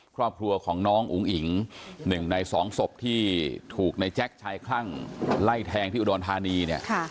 ครอบครัวของน้องอุ๋งอิ๋ง๑ใน๒ศพที่ถูกในแจ็คชายคลั่งไล่แทงที่อุดรธานีเนี่ย